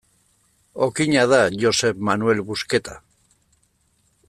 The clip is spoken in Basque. Okina da Josep Manel Busqueta.